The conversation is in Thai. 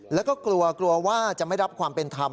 แล้วก็กลัวกลัวว่าจะไม่รับความเป็นธรรม